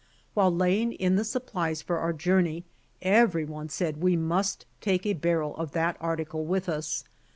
While laying in the supplies for our journey, every one said we must take a barrel of that article with us.